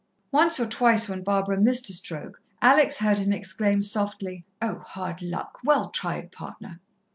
Once or twice, when Barbara missed a stroke, Alex heard him exclaim softly, "Oh, hard luck! Well tried, partner."